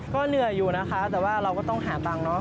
ก็เหนื่อยอยู่นะคะแต่ว่าเราก็ต้องหาตังค์เนาะ